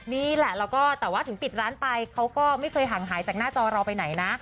นี่แหละแล้วก็แต่ว่าถึงปิดร้านไปเขาก็ไม่เคยห่างหายจากหน้าจอเราไปไหนนะ